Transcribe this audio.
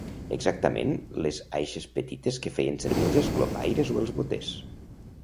Exactament les aixes petites que feien servir els esclopaires o els boters.